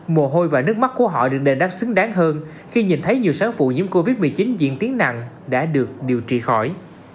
mồ hôi và nước mắt của họ được đền đáp xứng đáng hơn khi nhìn thấy nhiều sáng phụ nhiễm covid một mươi chín diễn tiến nặng đã được điều trị khỏi